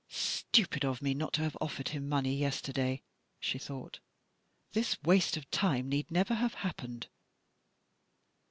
"Stupid of me not to have offered him money yesterday," she thought: "this waste of time need never have happened."